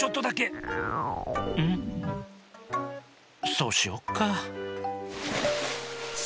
そうしよっか。